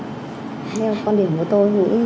theo quan điểm của tôi